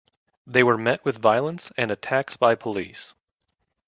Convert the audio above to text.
They were met with violence and attacks by police.